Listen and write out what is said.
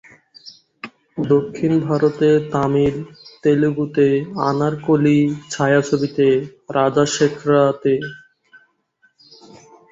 দক্ষিণ ভারতে তামিল, তেলুগুতে 'আনারকলি' ছায়াছবিতে 'রাজাশেখরা'-তে।